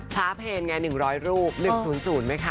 พระเภนไงหนึ่งร้อยรูปหนึ่งศูนย์ศูนย์ไหมคะ